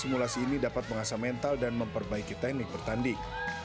simulasi ini dapat mengasah mental dan memperbaiki teknik bertanding